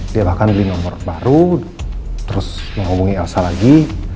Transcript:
dia bahkan beli nomor baru terus menghubungi elsa lagi